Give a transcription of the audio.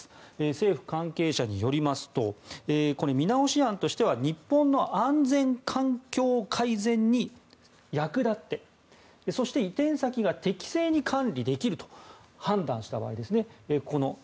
政府関係者によりますと見直し案としては日本の安全環境改善に役立ってそして移転先が適正に管理できると判断した場合ですね。